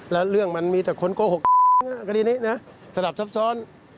และเรื่องมันมีแต่คนโกหกในคดีนี้สถาบทรัพย์ซ้อน